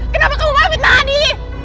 kenapa kamu mau fitnah adi